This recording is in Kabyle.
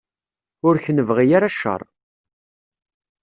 Ur k-nebɣi ara cceṛ.